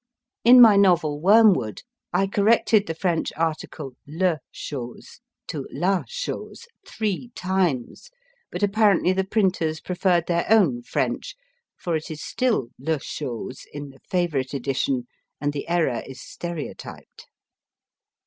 In my novel * Wormwood I corrected the French article le chose to la chose three times, but apparently the printers preferred their own French, for it is still le chose in the Favorite edition, and the error is stereotyped.